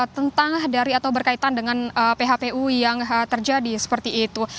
tentang dari atau berkaitan dengan phpu yang terjadi seperti itu